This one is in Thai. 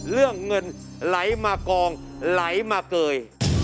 เรื่องเงินไหลมากองไหลมาเกย